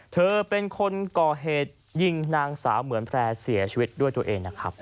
เธอเป็นคนก่อเหตุยิงนางสาวเหมือนแพร่เสียชีวิตด้วยตัวเองนะครับ